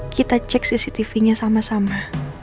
kita cek cctv nya sama sama